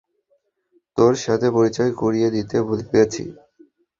তোর সাথে পরিচয় করিয়ে দিতে ভুলে গেছি।